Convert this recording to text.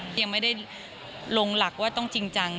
ยังไม่ได้ลงหลักว่าต้องจริงจัง